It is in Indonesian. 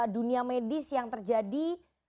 dunia medis yang terjadi